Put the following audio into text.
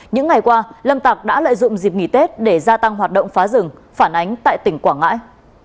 những ngày qua lâm tạc đã lợi dụng dịp nghỉ tết để gia tăng hoạt động phá rừng phản ánh tại tỉnh quảng ngãi